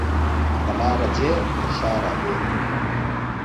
په لاره ځې تر شا را ګورې.